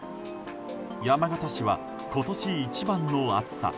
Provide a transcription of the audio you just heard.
山形市は今年一番の暑さ。